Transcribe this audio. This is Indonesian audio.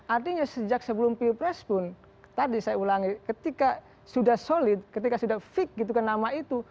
artinya sejak sebelum pilpres pun tadi saya ulangi ketika sudah solid ketika sudah fik gitu kan nama itu